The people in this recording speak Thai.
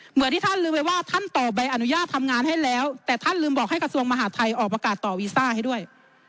เหมือนที่ท่านลืมไปว่าท่านต่อใบอนุญาตทำงานให้แล้วแต่ท่านลืมบอกให้กระทรวงมหาทัยออกประกาศต่อวีซ่าให้ด้วย